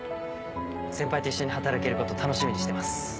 先輩と一緒に働けること楽しみにしてます。